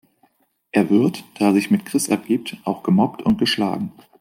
Er wird, da er sich mit Chris abgibt, auch gemobbt und geschlagen.